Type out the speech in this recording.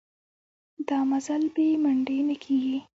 دا مزل بې منډې نه کېږي.